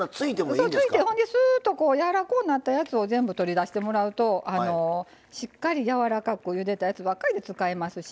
そう突いてスーッとやわらこうなったやつを全部取り出してもらうとしっかりやわらかくゆでたやつばっかりで使えますし。